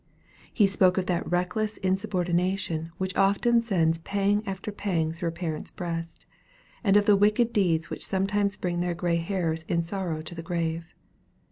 He spoke of that reckless insubordination which often sends pang after pang through the parent's breast; and of wicked deeds which sometimes bring their grey hairs in sorrow to the grave.